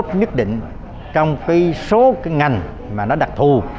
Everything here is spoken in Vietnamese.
đóng góp nhất là quyết định trong cái số cái ngành mà nó đặc thù